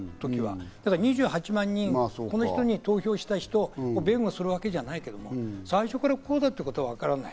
２８万人、この人に投票した人、弁護するわけじゃないけど、最初からこうだってことはわからない。